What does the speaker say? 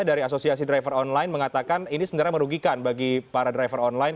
dari asosiasi driver online mengatakan ini sebenarnya merugikan bagi para driver online